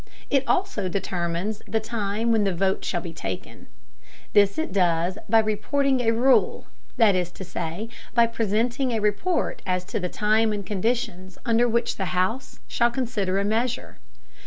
It also determines the time when the vote shall be taken. This it does by "reporting a rule," that is to say, by presenting a report as to the time and conditions under which the House shall consider a measure.